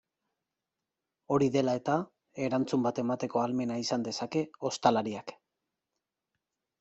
Hori dela eta, erantzun bat emateko ahalmena izan dezake ostalariak.